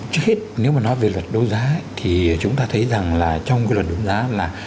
trước hết nếu mà nói về luật đấu giá thì chúng ta thấy rằng là trong cái luật đấu giá là